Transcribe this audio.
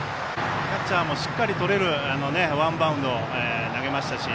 キャッチャーもしっかりとれるワンバウンド投げましたし